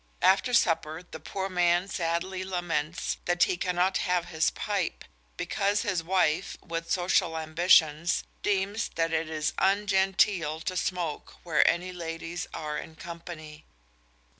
After supper the poor man sadly laments that he cannot have his pipe, because his wife, with social ambitions, deems that it is "ungenteel to smoke, where any ladies are in company."